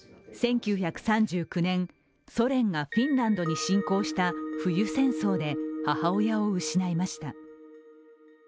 １９３９年、ソ連がフィンランドに侵攻した冬戦争で、母親を失いました。